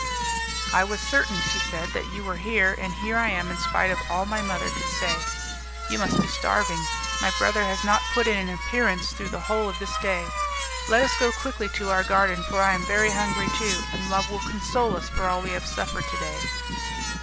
"I was certain," she said, "that you were here, and here I am in spite of all my mother could say. You must be starving. My brother has not put in an appearance through the whole of this day. Let us go quickly to our garden, for I am very hungry too, and love will console us for all we have suffered today."